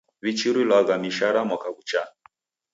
W'ichurilwagha mishara mwaka ghuchaa.